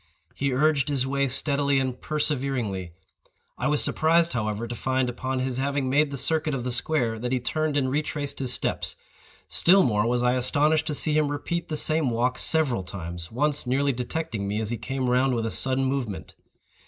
He urged his way steadily and perseveringly. I was surprised, however, to find, upon his having made the circuit of the square, that he turned and retraced his steps. Still more was I astonished to see him repeat the same walk several times—once nearly detecting me as he came round with a sudden movement.